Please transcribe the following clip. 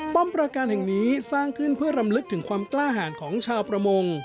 ประการแห่งนี้สร้างขึ้นเพื่อรำลึกถึงความกล้าหารของชาวประมง